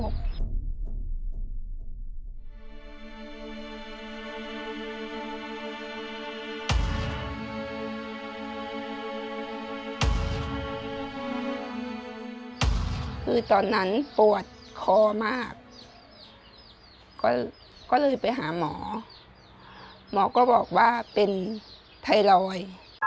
คือตอนนั้นปวดคอมากก็เลยไปหาหมอหมอก็บอกว่าเป็นไทรอยด์